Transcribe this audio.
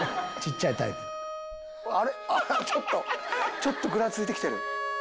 ちょっとグラついて来てる！